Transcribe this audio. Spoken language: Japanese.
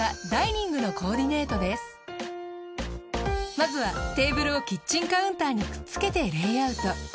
まずはテーブルをキッチンカウンターにくっつけてレイアウト。